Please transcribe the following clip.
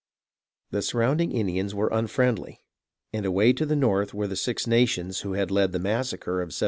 The surrounding Indians were unfriendly, and away to the north were the Six Nations who had led in the massacre of 1763.